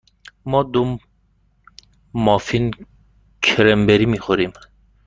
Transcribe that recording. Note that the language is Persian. ما دو مافین کرنبری می خوریم.